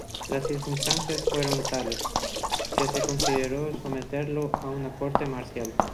Las circunstancias fueron tales, que se consideró someterlo a una corte marcial.